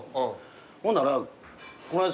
ほんならこの間